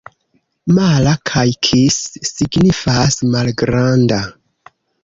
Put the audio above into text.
Mala kaj kis signifas: malgranda.